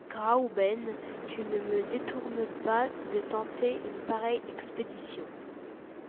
Graüben, tu ne me détournes pas de tenter une pareille expédition ?